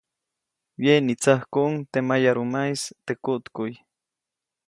Wyeʼnitsäkuʼuŋ teʼ mayarumaʼis teʼ kuʼtkuʼy.